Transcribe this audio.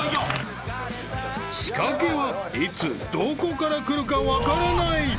［仕掛けはいつどこからくるか分からない］